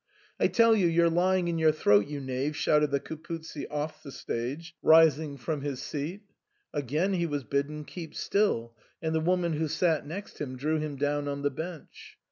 " I tell you you're lying in your throat, you knave," shouted the Capuzzi off the stage, rising from his seat. Again he was bidden keep still, and the woman who sat next him drew him down on the bench.